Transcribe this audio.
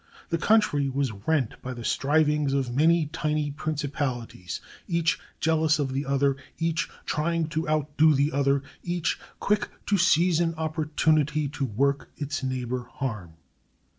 The country was rent by the strivings of many tiny principalities, each jealous of the other, each trying to outdo the other, each quick to seize an opportunity to work its neighbor harm.